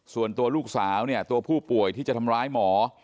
ส่วนตัวลูกสาวเนี่ยตัวผู้ป่วยที่จะทำร้ายหมอ